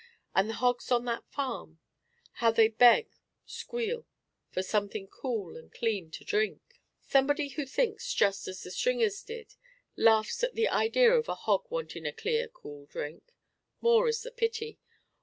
And the hogs on that farm how they beg (squeal) for something cool and clean to drink. Somebody, who thinks just as the Stringers did, laughs at the idea of a hog wanting a clear, cool drink. More is the pity!